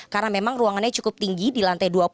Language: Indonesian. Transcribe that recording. karena memang ruangannya cukup tinggi di lantai dua puluh